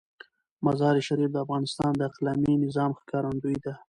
مزارشریف د افغانستان د اقلیمي نظام ښکارندوی ده.